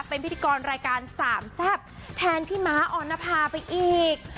เป็นพิธีกรรายการสามแซ่บแทนพี่ม้าออนภาไปอีก